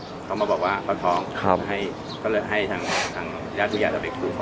อเจมส์เขามาบอกว่าเขาท้องก็เลยให้ทางยาธุญาตรับเอกซูขอ